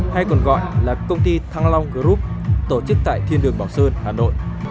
hay còn gọi là công ty thăng long group tổ chức tại thiên đường bảo sơn hà nội